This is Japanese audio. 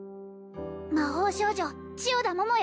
魔法少女千代田桃よ